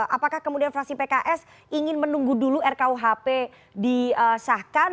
apakah kemudian fraksi pks ingin menunggu dulu rkuhp disahkan